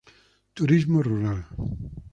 Turismo rural.